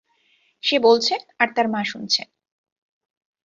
সে বলছে আর তার মা শুনছে?